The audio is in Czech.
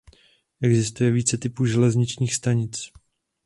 Existuje více typů železničních stanic.